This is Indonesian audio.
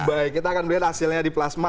baik kita akan melihat hasilnya di plasma